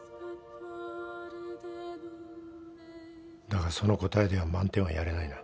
だがその答えでは満点はやれないな。